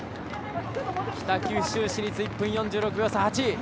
北九州市立、１分４６秒差、８位。